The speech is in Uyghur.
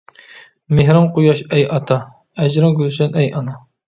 مېھرىڭ قۇياش ئەي ئاتا، ئەجرىڭ گۈلشەن ئەي ئانا.